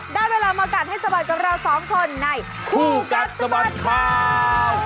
ได้เวลามากัดให้สะบัดกับเราสองคนในคู่กัดสะบัดข่าว